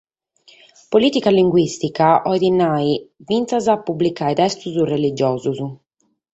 Polìtica linguìstica cheret nàrrere finas a publicare testos religiosos.